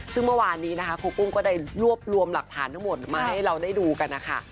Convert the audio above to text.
ซึ่งเมื่อวานนี้นะคะครูปุ้มก็ได้รวบรวมหลักฐานทั้งหมดมาให้เราได้ดูกันนะคะ